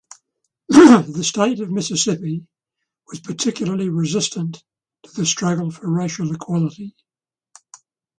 The state of Mississippi was particularly resistant to the struggle for racial equality.